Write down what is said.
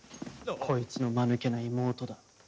こいつのマヌケな妹だ。